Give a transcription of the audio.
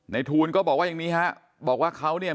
ในทูลก็บอกว่าอย่างนี้